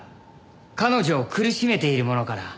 彼女を苦しめているものから。